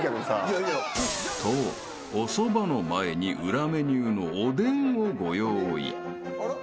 ［とおそばの前に裏メニューのおでんをご用意］